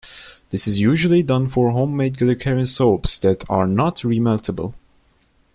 This is usually done for homemade glycerin soaps that are not remeltable.